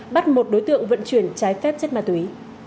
bắt một đối tượng vận chuyển trái phép chất ma túy